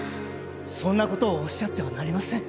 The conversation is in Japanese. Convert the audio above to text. そんなことをおっしゃってはなりません。